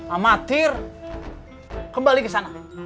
amatir kembali ke sana